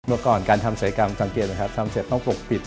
เมื่อก่อนการทำศัลยกรรมฟังกล้องเต็มต้องปลกปิด